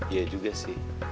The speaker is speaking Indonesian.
iya juga sih